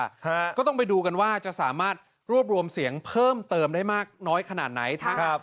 ฮะก็ต้องไปดูกันว่าจะสามารถรวบรวมเสียงเพิ่มเติมได้มากน้อยขนาดไหนนะครับ